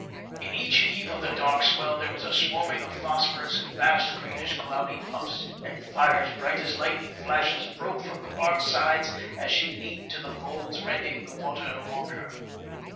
In each heave of the dark swell there was a swarming of phosphorus in vast greenish cloudy puffs, and fires bright as lightning flashes broke from the barque's sides as she leaned to the folds rending the water along her.